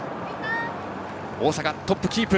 大阪、トップキープ。